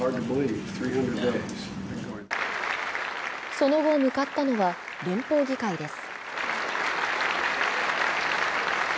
その後、向かったのは、連邦議会です。